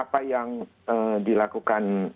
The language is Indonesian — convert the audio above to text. apa yang dilakukan